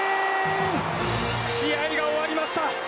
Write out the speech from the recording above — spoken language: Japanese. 試合が終わりました！